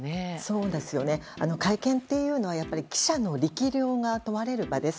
そうですね、会見というのは記者の力量が問われる場です。